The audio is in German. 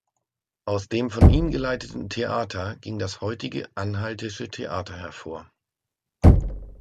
Aus dem von ihm geleiteten Theater ging das heutige Anhaltische Theater hervor.